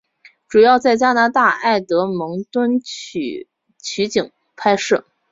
主要在加拿大埃德蒙顿取景拍摄。